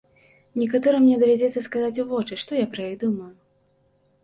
Некаторым мне давядзецца сказаць у вочы, што я пра іх думаю.